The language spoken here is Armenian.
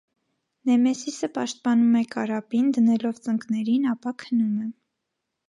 Նեմեսիսը պաշտպանում է կարապին՝ դնելով ծնկներին, ապա քնում է։